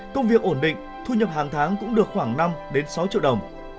công việc ổn định thu nhập hàng tháng cũng được khoảng năm sáu triệu đồng